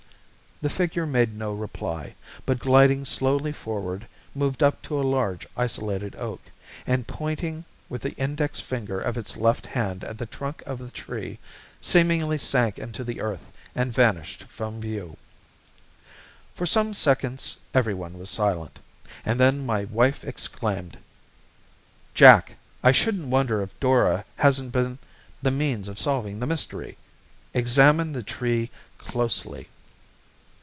The figure made no reply, but gliding slowly forward, moved up to a large, isolated oak, and pointing with the index finger of its left hand at the trunk of the tree, seemingly sank into the earth and vanished from view. For some seconds everyone was silent, and then my wife exclaimed: "Jack, I shouldn't wonder if Dora hasn't been the means of solving the mystery. Examine the tree closely."